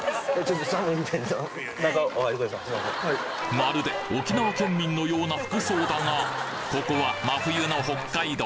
まるで沖縄県民のような服装だがここは真冬の北海道。